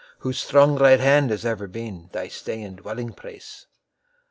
Whose strong right hand has ever beenTheir stay and dwelling place!